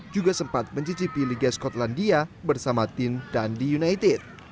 juga sempat mencicipi liga skotlandia bersama tim dundee united